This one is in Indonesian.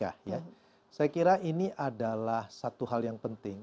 saya kira ini adalah satu hal yang penting